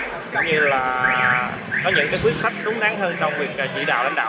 có những quyết sách đúng đáng hơn trong việc chỉ đạo lãnh đạo